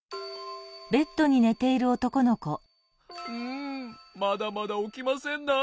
んまだまだおきませんな。